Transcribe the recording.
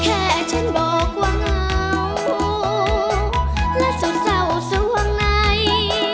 แค่ฉันบอกว่าเหงาและสุดเศร้าส่วงใน